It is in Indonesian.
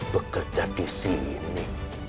bekerja di sini